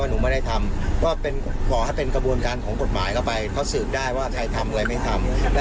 เอาความคิดว่าพี่บินเท่าโอกาสเชื่อครับนี้แล้วนะ